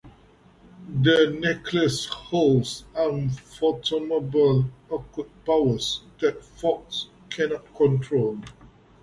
The necklace holds unfathomable occult powers that Fox cannot control.